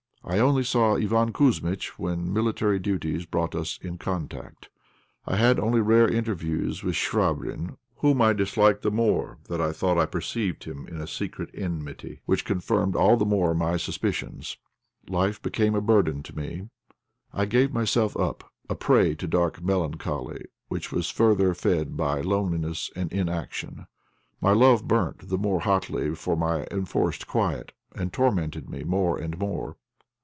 I only saw Iván Kouzmitch when military duties brought us in contact. I had only rare interviews with Chvabrine, whom I disliked the more that I thought I perceived in him a secret enmity, which confirmed all the more my suspicions. Life became a burden to me. I gave myself up, a prey to dark melancholy, which was further fed by loneliness and inaction. My love burnt the more hotly for my enforced quiet, and tormented me more and more.